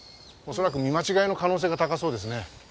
恐らく見間違いの可能性が高そうですね。